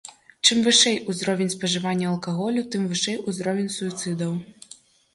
Чым вышэй узровень спажывання алкаголю, тым вышэй узровень суіцыдаў.